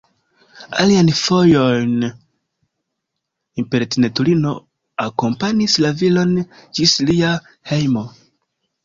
Alian fojon impertinentulino akompanis la viron ĝis lia hejmo.